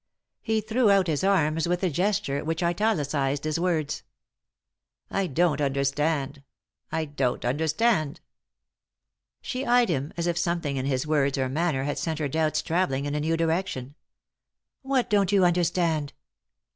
He threw out his arms with a gesture which italicised his words. " I don't understand ! I don't understand 1 " She eyed him as if something in his words or manner had sent her doubts travelling in a new direction. " What don't you understand